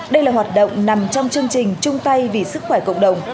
đây là hoạt động nằm trong chương trình trung tây vì sức khỏe cộng đồng